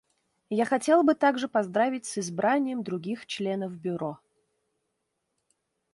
Я хотел бы также поздравить с избранием других членов Бюро.